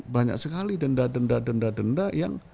banyak sekali denda denda denda denda yang